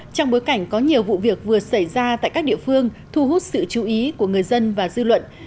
trong bối cảnh có nhiều vụ việc vừa xảy ra tại các địa phương thu hút sự chú ý của người dân và dư luận